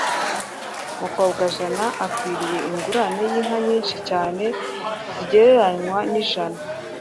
Mukobwajana: ukwiriye ingurane y’inka nyinshi cyane zigereranywa n’ijana.